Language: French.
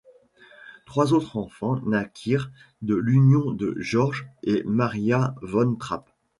Trois autres enfants naquirent de l'union de Georg et Maria von Trapp.